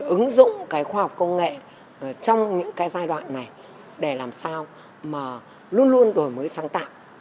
ứng dụng cái khoa học công nghệ trong những cái giai đoạn này để làm sao mà luôn luôn đổi mới sáng tạo